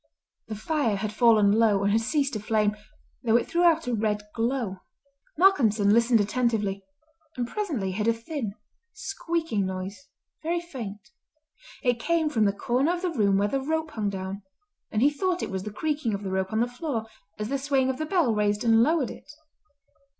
The fire had fallen low and had ceased to flame, though it threw out a red glow. Malcolmson listened attentively, and presently heard a thin, squeaking noise, very faint. It came from the corner of the room where the rope hung down, and he thought it was the creaking of the rope on the floor as the swaying of the bell raised and lowered it.